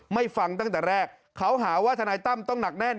ฟังตั้งแต่แรกเขาหาว่าทนายตั้มต้องหนักแน่น